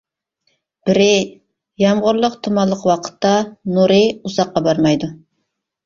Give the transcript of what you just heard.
بىرى، يامغۇرلۇق، تۇمانلىق ۋاقىتتا نۇرى ئۇزاققا بارمايدۇ.